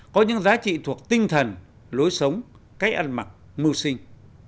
các giá trị thuộc tinh thần lối sống cách ăn mặc mưu sinh